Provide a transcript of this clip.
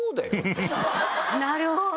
なるほど！